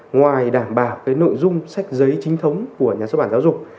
ngoài đảm bảo cái nội dung sách giấy chính thống của nhà xuất bản giáo dục